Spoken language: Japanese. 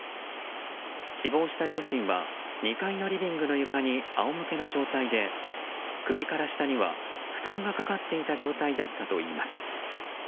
死亡した両親は２階のリビングの床にあおむけの状態で首から下には布団がかかっていた状態だったということです。